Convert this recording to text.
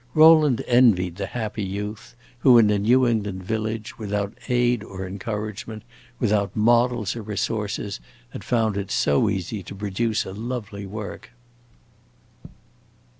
Rowland envied the happy youth who, in a New England village, without aid or encouragement, without models or resources, had found it so easy to produce a lovely work.